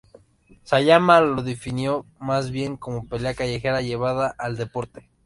Sayama lo definió más bien como pelea callejera llevada al deporte.